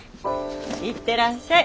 行ってらっしゃい。